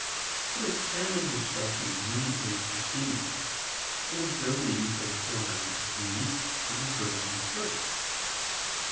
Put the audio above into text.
But, examine the statute immediately preceding this, and observe the use of the pronoun thee in the thirteenth verse.